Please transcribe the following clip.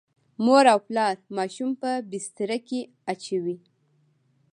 مور او پلار ماشوم په بستره کې اچوي.